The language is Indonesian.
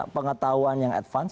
pengetahuan yang advance